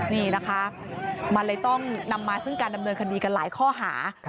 นี่นะคะมันเลยต้องนำมาซึ่งการดำเนินคดีกันหลายข้อหา